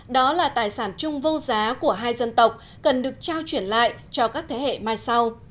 đó là tài sản chung vô giá của hai dân tộc cần được trao chuyển lại cho các thế hệ mai sau